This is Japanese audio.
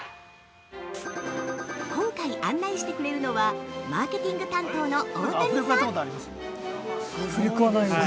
今回、案内してくれるのは、マーケティング担当の大谷さん。